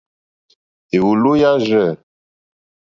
Èwòló yâ rzɛ̂.